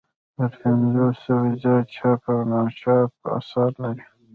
تر پنځو سوو زیات چاپ او ناچاپ اثار لري.